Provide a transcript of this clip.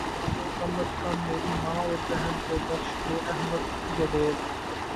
تنقید کرنے والو کم از کم میری ماں اور بہن کو بخش دو احمد گوڈیل